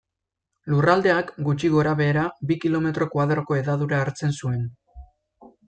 Lurraldeak, gutxi gorabehera, bi kilometro koadroko hedadura hartzen zuen.